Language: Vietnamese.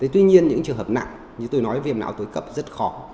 tuy nhiên những trường hợp nặng như tôi nói viêm não tối cấp rất khó